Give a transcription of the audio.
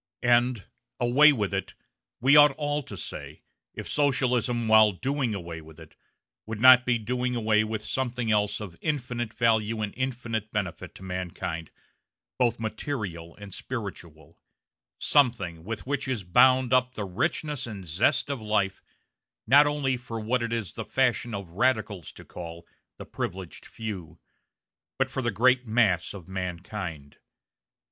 And "away with it" we ought all to say, if Socialism, while doing away with it, would not be doing away with something else of infinite value and infinite benefit to mankind, both material and spiritual; something with which is bound up the richness and zest of life, not only for what it is the fashion of radicals to call "the privileged few," but for the great mass of mankind.